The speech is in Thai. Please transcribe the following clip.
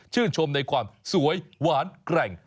ชมในความสวยหวานแกร่ง